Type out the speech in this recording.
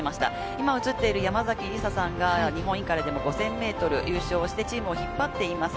今、映っている山崎りささんが日本インカレでも５０００ｍ優勝して、チームを引っ張っています。